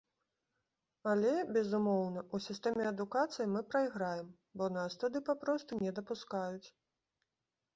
Але, безумоўна, у сістэме адукацыі мы прайграем, бо нас туды папросту не дапускаюць.